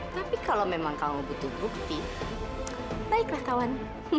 tapi kalau memang kamu butuh bukti baiklah kawan